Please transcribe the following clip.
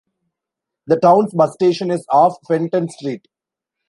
The town's bus station is off Fenton Street.